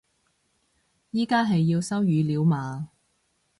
而家係要收語料嘛